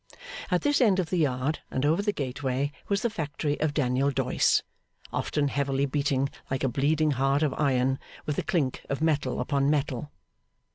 At this end of the Yard and over the gateway, was the factory of Daniel Doyce, often heavily beating like a bleeding heart of iron, with the clink of metal upon metal.